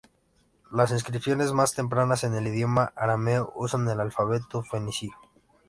Las inscripciones más tempranas en el idioma arameo usan el alfabeto fenicio.